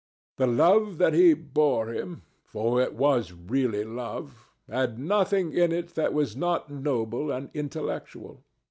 The love that he bore him—for it was really love—had nothing in it that was not noble and intellectual.